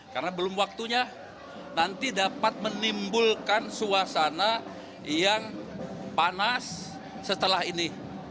karena belum waktunya nanti dapat menimbulkan suasana yang panas setelah ini